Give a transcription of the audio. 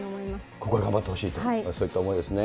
ここから頑張ってほしいと、そういった思いですね。